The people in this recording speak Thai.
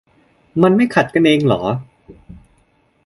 มันไม่ขัดกันเองเหรอ ?